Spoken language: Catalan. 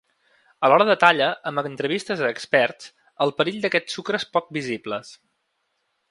Alhora detalla, amb entrevistes a experts, el perill d’aquests sucres poc visibles.